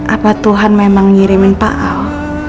apa tuhan memang ngirimin pak al